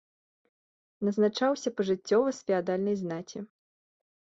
Назначаўся пажыццёва з феадальнай знаці.